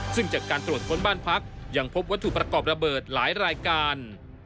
ซึ่งจากการตรวจค้นบ้านพักยังพบวัตถุประกอบระเบิดหลายรายการ